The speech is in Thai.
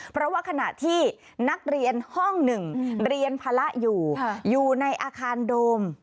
เพราะว่าขณะที่นักเรียนห้องหนึ่งเรียนภาระอยู่อยู่ในอาคารโดม